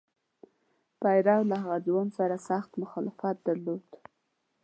پیرو له هغه ځوان سره سخت مخالفت درلود.